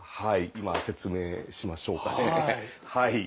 今説明しましょうかねはい。